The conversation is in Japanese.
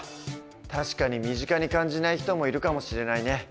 確かに身近に感じない人もいるかもしれないね。